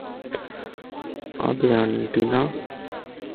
আবে আন্টি না।